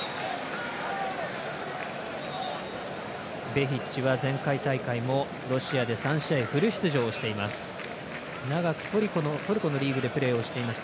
ベヒッチは前回大会もロシアで３試合フル出場しています。